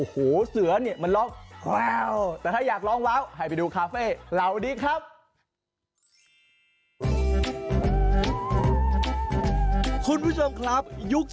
เฮียน้องเขาก็ถ่ายได้มาก